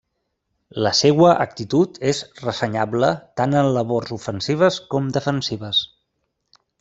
La seua actitud és ressenyable tant en labors ofensives com defensives.